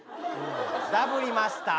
ダブりました。